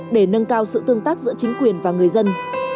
để nâng cao sự tương tác giữa chính quyền và người dân